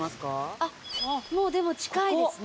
あっもうでも近いですね。